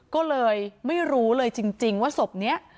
ก็เลยไม่รู้เลยจริงว่าศพนี้